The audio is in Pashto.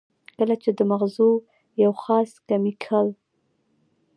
کله چې د مزغو د يو خاص کېميکل